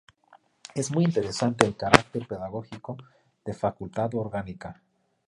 Es muy interesante el carácter pedagógico de "Facultad orgánica".